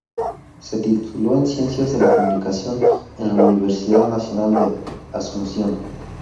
Se tituló en Ciencias de la Comunicación en la Universidad Nacional de Asunción.